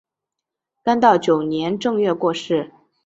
干道九年正月过世。